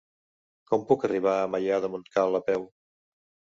Com puc arribar a Maià de Montcal a peu?